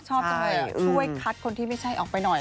ชอบจังเลยช่วยคัดคนที่ไม่ใช่ออกไปหน่อย